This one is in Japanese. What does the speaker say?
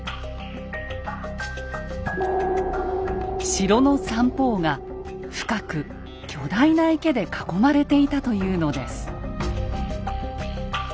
城の三方が深く巨大な池で囲まれていたというのです。